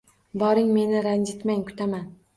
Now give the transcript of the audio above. Boring. Meni ranjitmang. Kutaman.